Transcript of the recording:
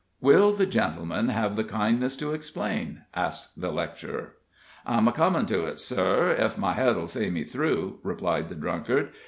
"Will the gentleman have the kindness to explain?" asked the lecturer. "I'm a comin' to it, sir, ef my head'll see me through," replied the drunkard.